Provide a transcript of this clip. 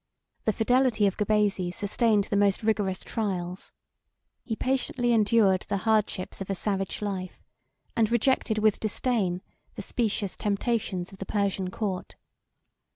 The fidelity of Gubazes sustained the most rigorous trials. He patiently endured the hardships of a savage life, and rejected with disdain, the specious temptations of the Persian court.